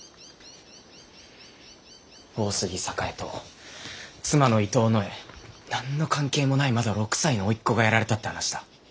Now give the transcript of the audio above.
大杉栄と妻の伊藤野枝何の関係もないまだ６歳の甥っ子がやられたって話だ。